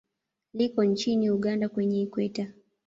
Liko nchini Uganda kwenye Ikweta.